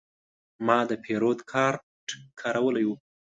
ما د پیرود کارت کارولی و.